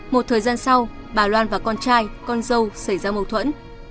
một thời gian sau bà loan và con trai con dâu xảy ra mâu thuẫn